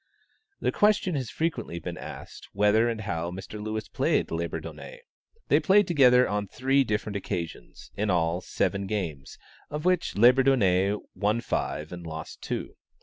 The question has frequently been asked, whether and how Mr. Lewis played Labourdonnais? They played together on three different occasions, in all seven games, of which Labourdonnais won five and lost two.